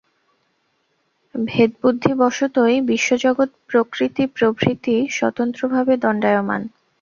ভেদবুদ্ধিবশতই বিশ্বজগৎ প্রকৃতি প্রভৃতি স্বতন্ত্রভাবে দণ্ডায়মান।